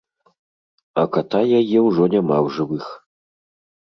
А ката яе ўжо няма ў жывых.